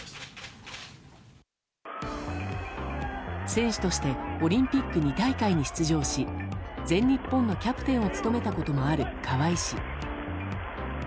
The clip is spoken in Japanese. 選手としてオリンピック２大会に出場し全日本のキャプテンを務めたこともある川合氏。